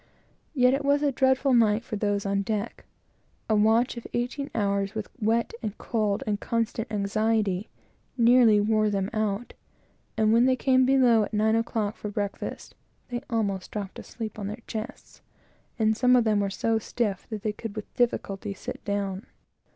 Yet it was a dreadful night for those on deck. A watch of eighteen hours, with wet, and cold, and constant anxiety, nearly wore them out; and when they came below at nine o'clock for breakfast, they almost dropped asleep on their chests, and some of them were so stiff that they could with difficulty sit down.